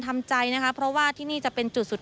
ทำใจนะคะเพราะว่าที่นี่จะเป็นจุดสุด